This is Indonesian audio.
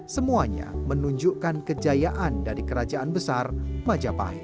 semuanya menunjukkan kejayaan dari kerajaan besar majapahit